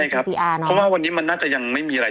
เพราะว่าวันนี้มันน่าจะยังไม่มีอะไร